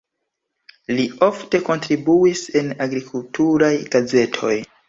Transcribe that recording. Li ofte kontribuis en agrikulturaj gazetoj.